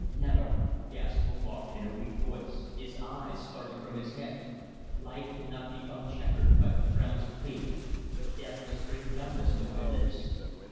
"Never," gasped Omar in a weak voice, his eyes starting from his head. "Life cannot be unchequered by the frowns of fate, but death must bring dumbness to my lips.